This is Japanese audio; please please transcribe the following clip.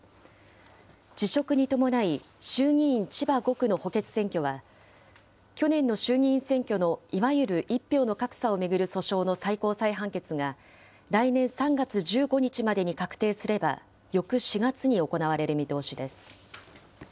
辞職に伴い、衆議院千葉５区の補欠選挙は、去年の衆議院選挙のいわゆる１票の格差を巡る訴訟の最高裁判決が、来年３月１５日までに確定すれば、翌４月に行われる見通しです。